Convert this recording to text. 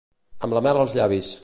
Amb la mel als llavis.